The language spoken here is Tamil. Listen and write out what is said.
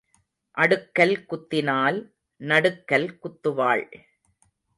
அடுக்கல் குத்தினால், நடுக்கல் குத்துவாள்.